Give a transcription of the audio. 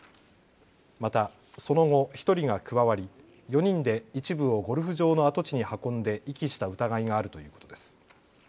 またその後、１人が加わり４人で一部をゴルフ場の跡地に運んで遺棄した疑いがあるということです。